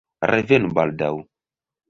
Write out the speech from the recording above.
Revenu baldaŭ!